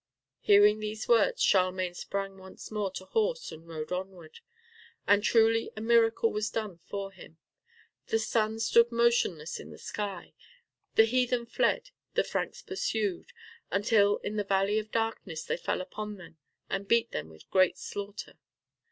Hearing these words, Charlemagne sprang once more to horse and rode onward. And truly a miracle was done for him. The sun stood motionless in the sky, the heathen fled, the Franks pursued, until in the Valley of Darkness they fell upon them and beat them with great slaughter.